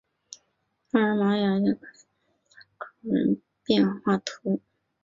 阿尔马尼亚克拉巴斯提德人口变化图示